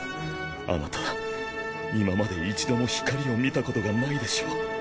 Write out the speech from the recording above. あなた今まで一度も光を見たことがないでしょ？